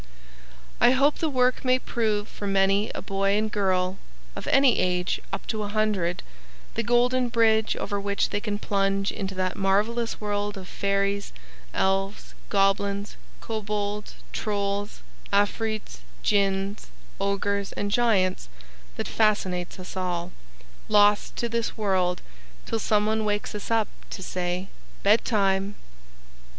I hope the work may prove for many a boy and girl (of any age up to a hundred) the Golden Bridge over which they can plunge into that marvelous world of fairies, elves, goblins, kobolds, trolls, afreets, jinns, ogres, and giants that fascinates us all, lost to this world till some one wakes us up to say "Bedtime!"